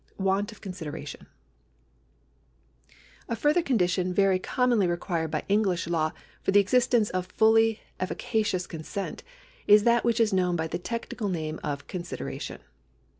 Want of consideration. A further condition very com monly required by English law for the existence of fully efficacious consent is that which is known by the technical name of consideration.